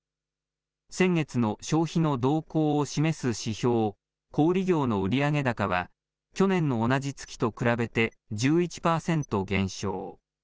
先月の消費の動向を示す指標、小売業の売上高は、去年の同じ月と比べて１１％減少。